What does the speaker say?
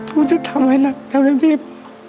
คุณจะทำไว้นะทำได้มีพ่อ